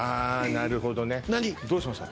なるほどねどうしました？